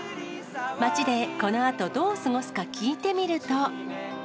街でこのあとどう過ごすか聞いてみると。